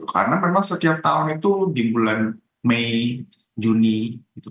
karena memang setiap tahun itu di bulan mei juni